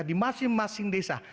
di masing masing desa